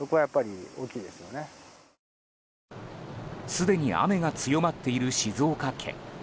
すでに雨が強まっている静岡県。